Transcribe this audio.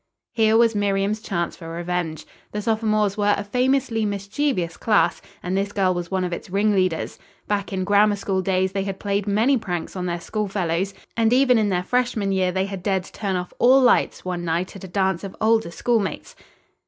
Here was Miriam's chance for revenge. The sophomores were a famously mischievous class, and this girl was one of its ringleaders. Back in Grammar School days they had played many pranks on their school fellows, and even in their freshman year they had dared to turn off all lights, one night at a dance of older schoolmates.